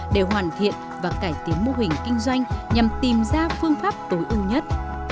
để hoàn thiện và cải tiến mô hình kinh doanh nhằm tìm ra phương pháp tối ưu nhất